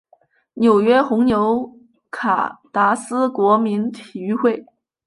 纽约红牛卡达斯国民体育会